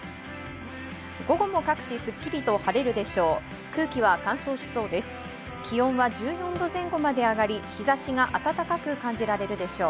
午後も各地スッキリと晴れるでしょう。